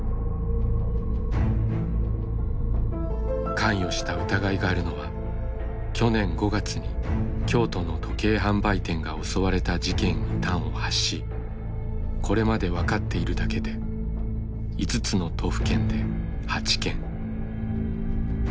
関与した疑いがあるのは去年５月に京都の時計販売店が襲われた事件に端を発しこれまで分かっているだけで５つの都府県で８件。